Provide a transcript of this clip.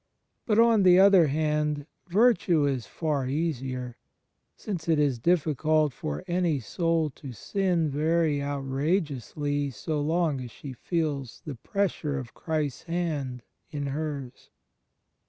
But, on the other hand, virtue is far easier, since it is difficult for any soul to sin very out rageously so long as she feels the pressure of Christ's hand in hers.